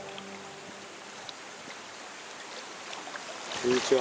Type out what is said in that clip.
こんにちは。